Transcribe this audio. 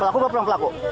pelaku apa pelaku